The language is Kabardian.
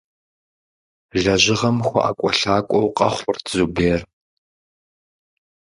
Лэжьыгъэм хуэIэкIуэлъакIуэу къэхъурт Зубер.